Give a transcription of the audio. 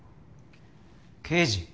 刑事？